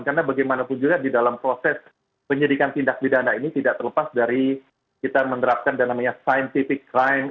karena bagaimanapun juga di dalam proses penyedikan tindak bidana ini tidak terlepas dari kita menerapkan dan namanya scientific crime